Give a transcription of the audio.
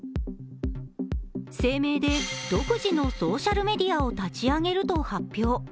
声明で、独自のソーシャルメディアを立ち上げると発表。